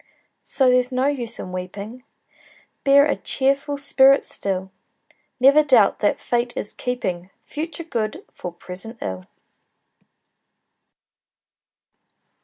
So there's no use in weeping, Bear a cheerful spirit still; Never doubt that Fate is keeping Future good for present ill!